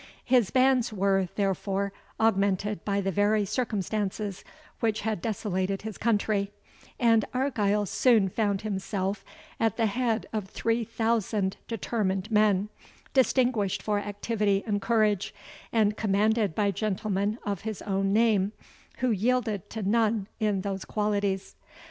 His bands were, therefore, augmented by the very circumstances which had desolated his country, and Argyle soon found himself at the head of three thousand determined men, distinguished for activity and courage, and commanded by gentlemen of his own name, who yielded to none in those qualities.